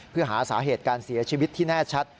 เพื่อหาสาเหตุการเสียชีวิตที่แน่ชัด